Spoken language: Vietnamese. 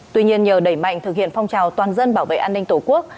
tuy nhiên nhờ đẩy mạnh thực hiện phong trào toàn dân bảo vệ an ninh tổ quốc